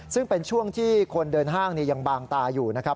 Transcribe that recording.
ซึ่งเป็นช่วงที่คนเดินห้างยังบางตาอยู่นะครับ